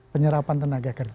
penyerapan tenaga kerja